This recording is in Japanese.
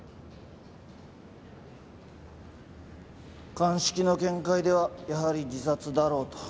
鑑識の見解ではやはり自殺だろうという事です。